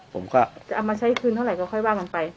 ผมก็จะเอามาใช้คืนเท่าไหร่ก็ค่อยว่ากันไป